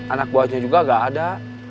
anak buahnya juga gak ada